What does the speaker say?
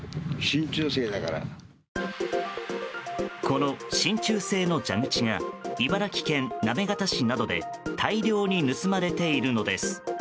この真鍮製の蛇口が茨城県行方市などで大量に盗まれているのです。